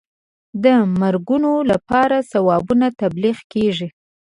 د مرګونو لپاره ثوابونه تبلیغ کېږي.